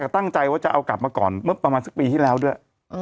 ตั้งใจว่าจะเอากลับมาก่อนเมื่อประมาณสักปีที่แล้วด้วย